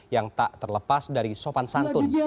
yang tak terlepas dari sopan santun